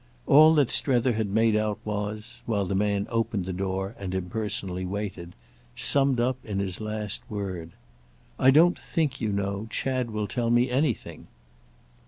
All that Strether had made out was, while the man opened the door and impersonally waited, summed up in his last word. "I don't think, you know, Chad will tell me anything."